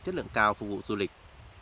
chất lượng cao phục vụ du lịch